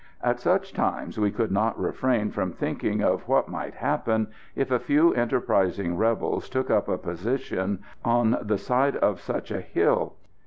At such times we could not refrain from thinking of what might happen if a few enterprising rebels took up a position on the side of such a hill.